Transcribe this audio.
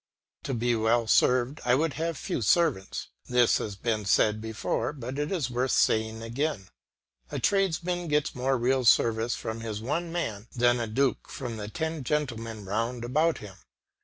To be well served I would have few servants; this has been said before, but it is worth saying again. A tradesman gets more real service from his one man than a duke from the ten gentlemen round about him.